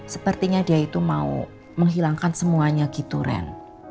sepertinya dia itu mau menghilangkan semuanya gitu ren